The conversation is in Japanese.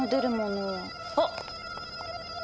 あっ！